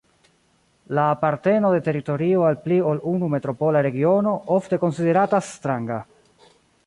La aparteno de teritorio al pli ol unu metropola regiono ofte konsideratas stranga.